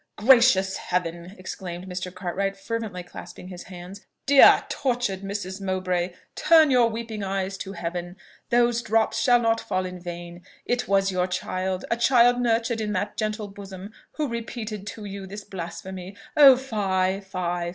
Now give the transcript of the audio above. "Gracious Heaven!" exclaimed Mr. Cartwright, fervently clasping his hands, "Dear, tortured Mrs. Mowbray, turn your weeping eyes to Heaven! those drops shall not fall in vain. It was your child a child nurtured in that gentle bosom, who repeated to you this blasphemy? Oh, fie! fie!